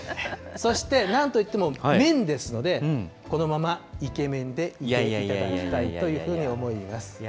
そしてなんといっても麺ですので、このままイケメンでいていただきたいというふうに思います。